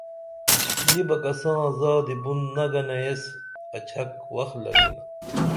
نی بہ کساں زادی بُن نگنہ ایس اڇھک وخ لگِنا